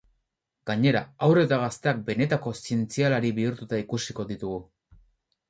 Gainera, haur eta gazteak benetako zientzialari bihurtuta ikusiko ditugu.